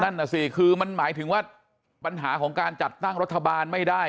นั่นน่ะสิคือมันหมายถึงว่าปัญหาของการจัดตั้งรัฐบาลไม่ได้